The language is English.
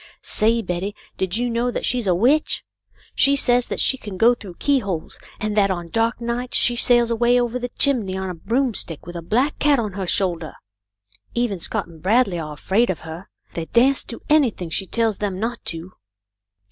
"Say, Betty, did you know that she's a witch f She says that she can go through keyholes, and that on dark nights she sails away over the chimney on a broomstick with a black cat on her shoulder. Even Scott and Bradley are afraid of her. They dasn't do anything she tells them not to."